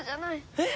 えっ？